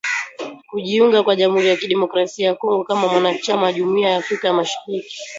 kujiunga kwa jamhuri ya kidemokrasia ya Kongo kama mwanachama wa jumuia ya Afrika ya mashariki